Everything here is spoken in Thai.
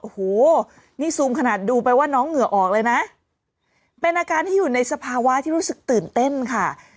โอ้โหนี่ซูมขนาดดูไปว่าน้องเหงื่อออกเลยนะเป็นอาการที่อยู่ในสภาวะที่รู้สึกตื่นเต้นค่ะ